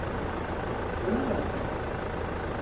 Buralarda.